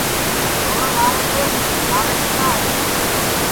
چھورا لارے دؔیکھ لارے کھڈؔا ہے